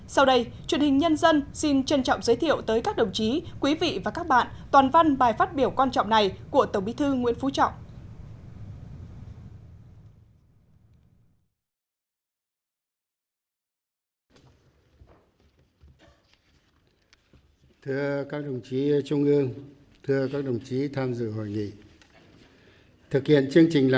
sau đây truyền hình nhân dân xin trân trọng giới thiệu tới các đồng chí quý vị và các bạn toàn văn bài phát biểu quan trọng này của tổng bí thư nguyễn phú trọng